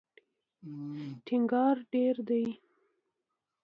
ټینګار ډېر دی.